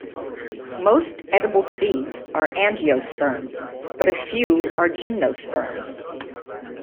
Most edible seeds are angiosperms, but a few are gymnosperms.